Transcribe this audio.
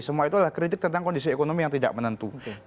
semua itu adalah kritik tentang kondisi ekonomi yang tidak menentu